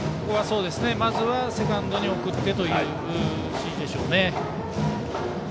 まずはセカンドに送ってという指示でしょうね。